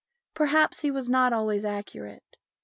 Perhaps he was not always accurate.